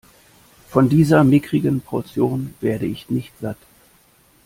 Von dieser mickrigen Portion werde ich nicht satt.